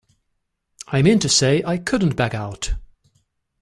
I mean to say, I couldn't back out.